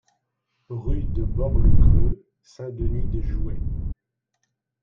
Rue de Bord-le-Creux, Saint-Denis-de-Jouhet